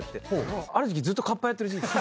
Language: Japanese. ある時期ずっとカッパやってる時期が。